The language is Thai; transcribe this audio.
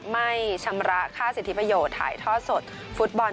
ไม่ชำระค่าสิทธิประโยชน์ถ่ายทอดสดฟุตบอล